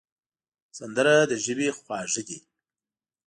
سندره د ژبې خواږه ده